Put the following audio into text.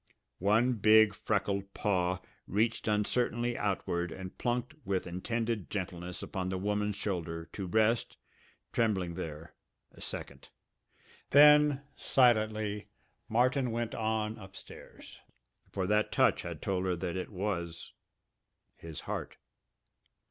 One big freckled paw reached uncertainly outward and plunked with intended gentleness upon the woman's shoulder, to rest, trembling there, a second. Then silently Martin went on upstairs. For that touch had told her that it was his heart!